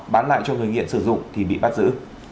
bán lại cho người nghiện sử dụng thì bị bắt giữ